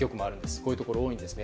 そういうところが多いんですね。